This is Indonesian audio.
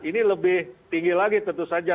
ini lebih tinggi lagi tentu saja